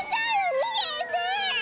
にげて！